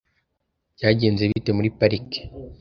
Byagenze bite muri parike?